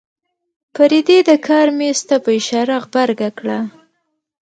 فريدې د کار مېز ته په اشاره غبرګه کړه.